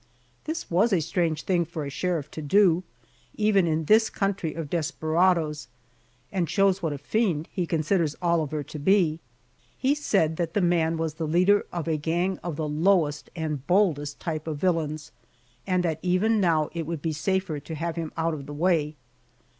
This was a strange thing for a sheriff to do, even in this country of desperadoes, and shows what a fiend he considers Oliver to be. He said that the man was the leader of a gang of the lowest and boldest type of villains, and that even now it would be safer to have him out of the way.